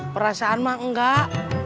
perasaan bang enggak